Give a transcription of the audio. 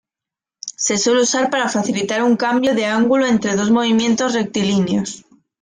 Se suele usar para facilitar un cambio de ángulo entre dos movimientos rectilíneos.